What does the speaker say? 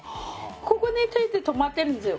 ここについて止まってるんですよ。